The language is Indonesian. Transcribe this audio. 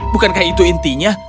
bukankah itu intinya